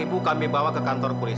ibu akan selamat sendirian dengan dia